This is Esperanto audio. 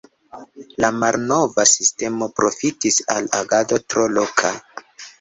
La malnova sistemo profitis al agado tro loka.